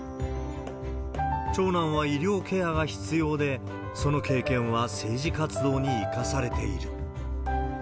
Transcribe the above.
長男は医療ケアが必要で、その経験は政治活動に生かされている。